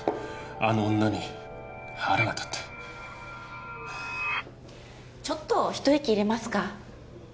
あの女に腹が立ってちょっと一息入れますか？